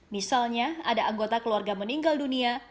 misalnya ada anggota keluarga meninggal dunia